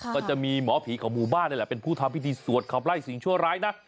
ก็จะมีหมอผีของหมู่บ้านนี่แหละเป็นผู้ทำพิธีสวดขับไล่สิ่งชั่วร้ายนะ